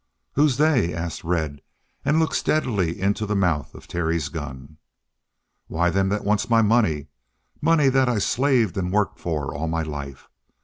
"Who's they?" asked Red, and looked steadily into the mouth of Terry's gun. "Why, them that wants my money. Money that I slaved and worked for all my life!